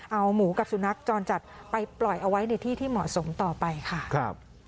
เอาหมูกับสุนัขจรจัดไปปล่อยเอาไว้ในที่ที่เหมาะสมต่อไปค่ะครับ